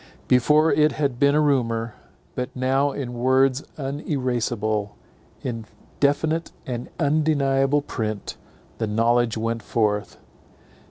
Before it had been a rumour; but now in words uneraseable, in definite and undeniable print, the knowledge went forth.